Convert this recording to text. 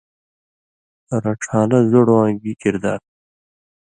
رڇھان٘لہ زوڑہۡ واں گی کِردار تُھو؟